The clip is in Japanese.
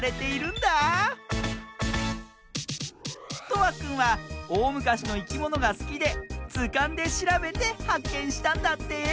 とわくんはおおむかしのいきものがすきでずかんでしらべてはっけんしたんだって！